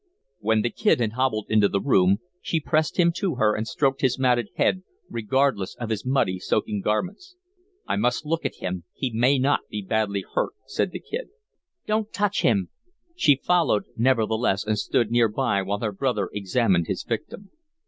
When the Kid had hobbled into the room, she pressed him to her and stroked his matted head, regardless of his muddy, soaking garments. "I must look at him. He may not be badly hurt," said the Kid. "Don't touch him!" She followed, nevertheless, and stood near by while her brother examined his victim.